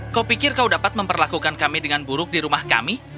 kau pikir kau dapat memperlakukan kami dengan buruk di rumah kami